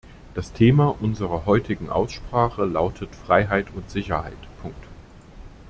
Das Thema unserer heutigen Aussprache lautet Freiheit und Sicherheit.